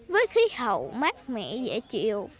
với khí hậu mát mẻ dễ chịu